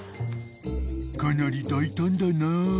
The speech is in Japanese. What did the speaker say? ［かなり大胆だな］